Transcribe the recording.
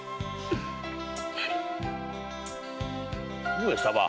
上様。